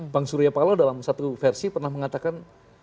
bang surya paloh dalam satu versi pernah mengatakan